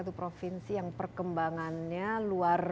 ya saat ini inside with desy anwar berada di makassar sulawesi selatan